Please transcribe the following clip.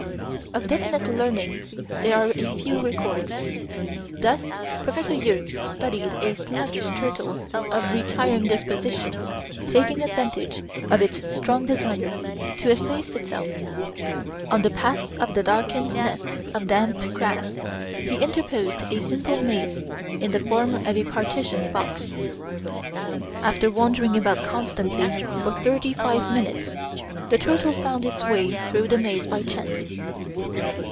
Of definite learning there are a few records. Thus Professor Yerkes studied a sluggish turtle of retiring disposition, taking advantage of its strong desire to efface itself. On the path of the darkened nest of damp grass he interposed a simple maze in the form of a partitioned box. After wandering about constantly for thirty five minutes the turtle found its way through the maze by chance.